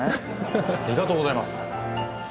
ありがとうございます。